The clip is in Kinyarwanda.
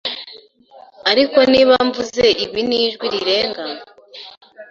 ariko niba mvuze ibi n'ijwi rirenga